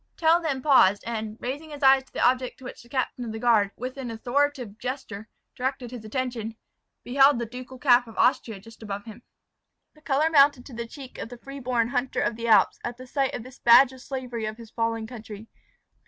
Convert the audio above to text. Tell then paused, and, raising his eyes to the object to which the captain of the guard, with an authoritative gesture, directed his attention, beheld the ducal cap of Austria just above him. The colour mounted to the cheek of the free born hunter of the Alps, at the sight of this badge of slavery of his fallen country.